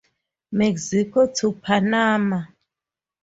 Mexico to Panama.